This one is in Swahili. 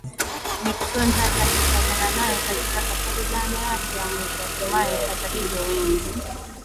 Nixon hata akifuatana naye katika safari laana yake ya mwisho Hatimaye hata hivyo wengi